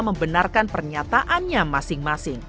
membenarkan pernyataannya masing masing